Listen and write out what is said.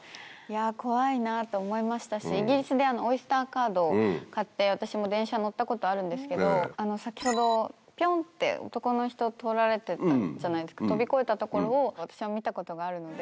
怖いなって思いましたし、イギリスでオイスターカードを買って、私も電車乗ったことあるんですけど、先ほど、ぴょんって男の人、通られてたじゃないですか、飛び越えたところを、私は見たことがあるので。